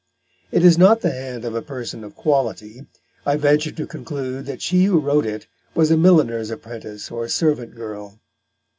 It is not the hand of a person of quality: I venture to conclude that she who wrote it was a milliner's apprentice or a servant girl.